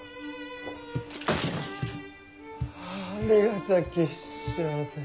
ありがたき幸せ。